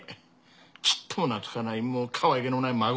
ちっとも懐かないもうかわいげのない孫。